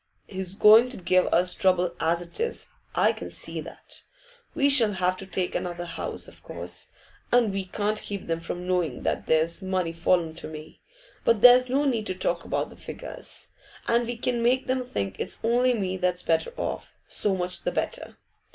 H's going to give us trouble as it is, I can see that. We shall have to take another house, of course, and we can't keep them from knowing that there's money fallen to me. But there's no need to talk about the figures, and if we can make them think it's only me that's better off, so much the better.